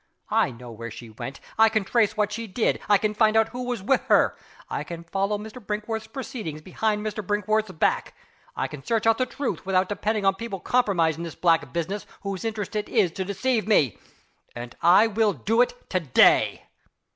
I know where she went. I can trace what she did. I can find out who was with her. I can follow Mr. Brinkworth's proceedings, behind Mr. Brinkworth's back. I can search out the truth, without depending on people compromised in this black business, whose interest it is to deceive me. And I will do it to day!"